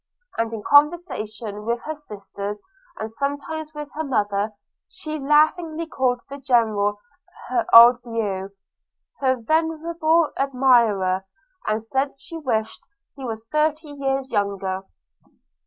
And in conversation with her sisters, and sometimes with her mother, she laughingly called the General – her old beau – her venerable admirer, and said she wished he was thirty years younger.